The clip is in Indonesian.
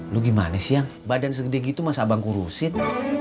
lo gimana sih ang badan segede gitu masa abang ngurusin